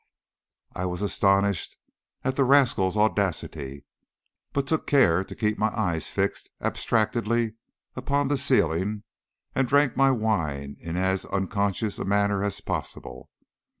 I was astonished at the rascal's audacity, but took care to keep my eyes fixed abstractedly upon the ceiling, and drank my wine in as unconscious a manner as possible.